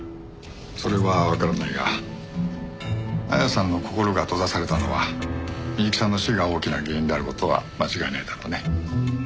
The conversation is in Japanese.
それはわからないが亜矢さんの心が閉ざされたのは美雪さんの死が大きな原因である事は間違いないだろうね。